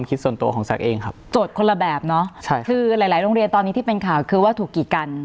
คือหลายโรงเรียนตอนนี้ที่เป็นข่าวคือว่าถูกกีดกัน